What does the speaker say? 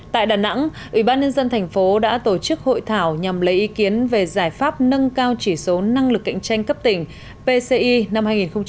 tại đà nẵng ủy ban nhân dân thành phố đã tổ chức hội thảo nhằm lấy ý kiến về giải pháp nâng cao chỉ số năng lực cạnh tranh cấp tỉnh pci năm hai nghìn một mươi tám